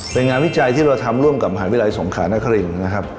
เป็นงานวิจัยที่เราทำร่วมกับมหาวิทยาลัยสงขานครินนะครับ